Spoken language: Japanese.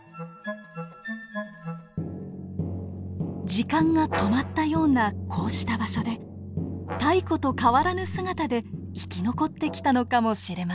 時間が止まったようなこうした場所で太古と変わらぬ姿で生き残ってきたのかもしれません。